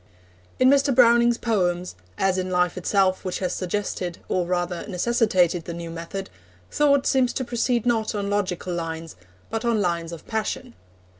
In Mr. Browning's poems, as in life itself which has suggested, or rather necessitated, the new method, thought seems to proceed not on logical lines, but on lines of passion.